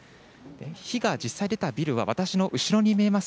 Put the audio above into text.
火が実際出たビルは私の後ろに見えます